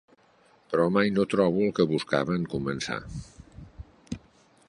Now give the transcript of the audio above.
Però mai no trobo el que buscava en començar.